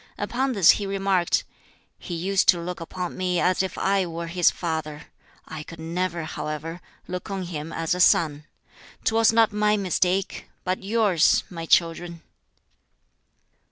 Upon this he remarked, "He used to look upon me as if I were his father. I could never, however, look on him as a son. Twas not my mistake, but yours, my children."